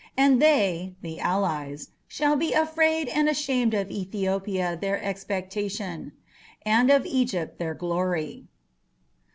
And they (the allies) shall be afraid and ashamed of Ethiopia their expectation, and of Egypt their glory."